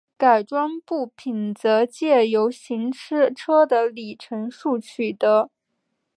改装部品则藉由行车的里程数取得。